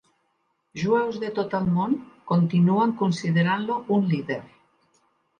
Jueus de tot el món continuen considerant-lo un líder.